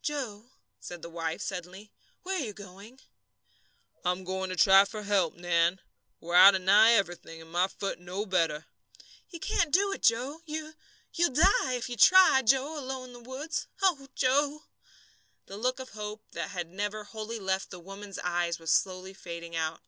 "Joe," said his wife, suddenly, "where are you going?" "I'm going to try for help, Nan. We're out of nigh everything, and my foot no better." "You can't do it, Joe. You you'll die, if you try, Joe, alone in the woods. Oh, Joe!" The look of hope that had never wholly left the woman's eyes was slowly fading out.